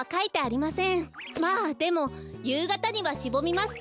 まあでもゆうがたにはしぼみますから。